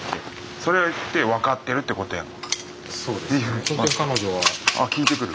それって分かってるってことやん。